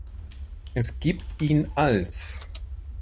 Es gibt ihn als